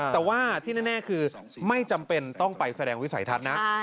แต่ว่าที่แน่คือไม่จำเป็นต้องไปแสดงวิสัยทัศน์นะ